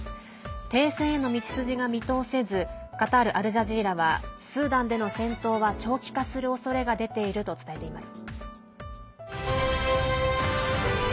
停戦への道筋が見通せずカタール・アルジャジーラはスーダンでの戦闘は長期化するおそれが出ていると伝えています。